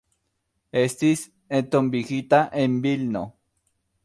Estis entombigita en Vilno.